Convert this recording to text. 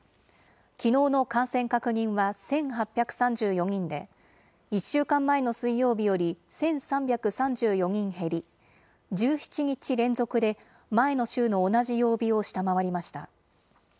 きのうの感染確認は１８３４人で、１週間前の水曜日より１３３４人減り、１７日連続で前の週の同じ曜日を下回りました。